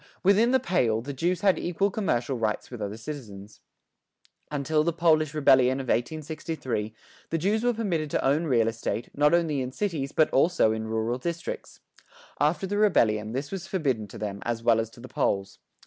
Within the "Pale," the Jews had equal commercial rights with other citizens. Until the Polish rebellion of 1863 the Jews were permitted to own real estate, not only in cities but also in rural districts. After the rebellion this was forbidden to them as well as to the Poles.